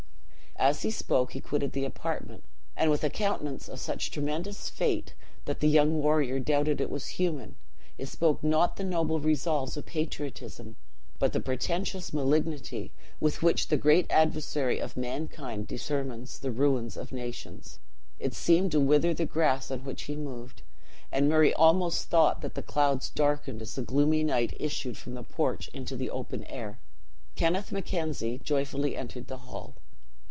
As he spoke, he quitted the apartment, and with a countenance of such tremendous fate, that the young warrior doubted it was human; it spoke not the noble resolves of patriotism, but the portentous malignity with which the great adversary of mankind determines the ruin of nations; it seemed to wither the grass on which he moved; and Murray almost thought that the clouds darkened as the gloomy knight issued from the porch into the open air. Kenneth Mackenzie joyfully entered the hall.